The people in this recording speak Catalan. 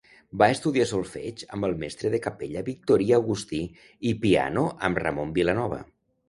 Va estudiar solfeig amb el mestre de capella Victorí Agustí i piano amb Ramon Vilanova.